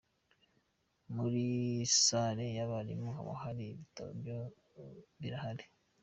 Muri Salle y’abarimu haba hari ibitabo byo birahari.